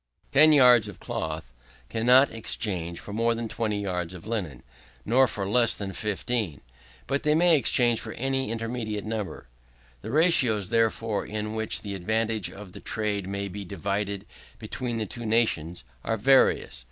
Ten yards of cloth cannot exchange for more than 20 yards of linen, nor for less than 15. But they may exchange for any intermediate number. The ratios, therefore, in which the advantage of the trade may be divided between the two nations, are various.